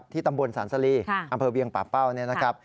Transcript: ที่ตำบวนสรรสรีอำเภอเวียงปะเป้า